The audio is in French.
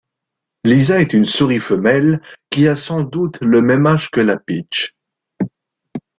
Lisa est une souris femelle qui a sans doute le même âge que Lapitch.